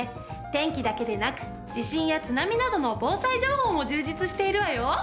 天気だけでなく地震や津波などの防災情報も充実しているわよ。